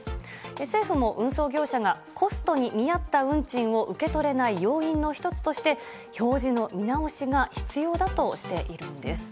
政府も運送業者がコストに見合った運賃を受け取れない要因の１つとして表示の見直しが必要だとしているんです。